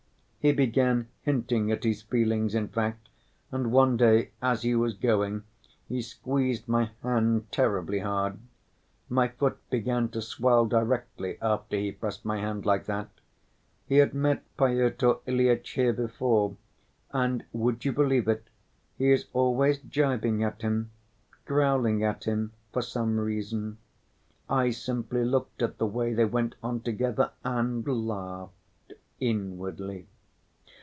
He began hinting at his feelings, in fact, and one day, as he was going, he squeezed my hand terribly hard. My foot began to swell directly after he pressed my hand like that. He had met Pyotr Ilyitch here before, and would you believe it, he is always gibing at him, growling at him, for some reason. I simply looked at the way they went on together and laughed inwardly.